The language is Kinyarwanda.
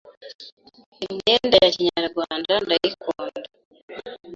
i myenda ya Kinyarwanda ndayikunda